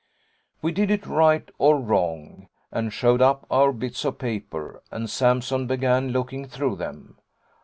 We did it, right or wrong, and showed up our bits of paper, and Sampson began looking through them.